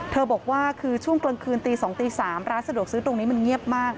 บอกว่าคือช่วงกลางคืนตี๒ตี๓ร้านสะดวกซื้อตรงนี้มันเงียบมาก